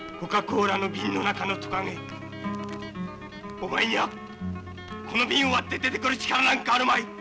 お前にはこの瓶を割って出てくる力なんかあるまい！